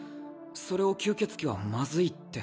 それを吸血鬼は「まずい」って。